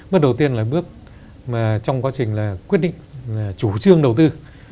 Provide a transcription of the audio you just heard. bước đầu tiên là bước mà trong quá trình là quyết định chủ trương đầu tư